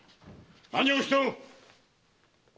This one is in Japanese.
何をしておるっ